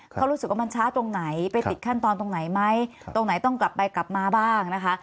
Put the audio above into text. เขารู้สึกว่ามันช้าตรงไหนไปติดขั้นตอนตรงไหนไหมตรงไหนต้องกลับไปกลับมาบ้างนะคะ